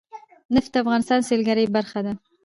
نفت د افغانستان د سیلګرۍ برخه ده.